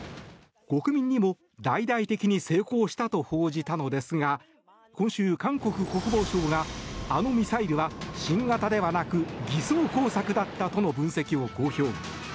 国民にも大々的に成功したと報じたのですが今週、韓国国防省はあのミサイルは新型ではなく偽装工作との分析を公表。